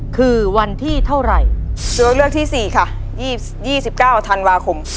คือวันที่เท่าไรตัวเลือกที่สี่ค่ะยี่สิบเก้าธันวาคม